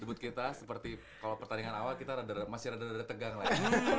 debut kita seperti kalau pertandingan awal kita masih rada rada tegang lah ya